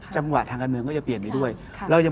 จังหวะทางการเมืองก็จะเปลี่ยนไปด้วย